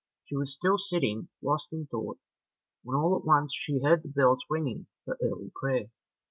She was still sitting lost in thought, when all at once she heard the bells ringing for early prayer.